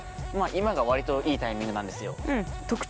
今が割といいタイミングなんですよ。